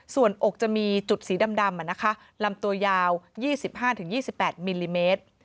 ส่วนอกจะมีจุดสีดำลำตัวยาว๒๕๒๘มิลลิเมตร